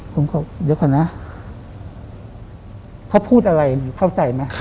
ผมครบเดี๋ยว่านะเขาพูดอะไรนะคือเข้าใจมั้ย